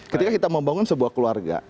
ketika kita membangun sebuah keluarga